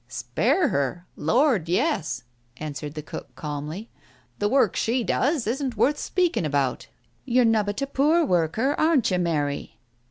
... "Spare her, Lord, yes!" answered the cook calmly. " The work she does isn't worth speaking about. You're nobbut a poor worker, aren't you, Mary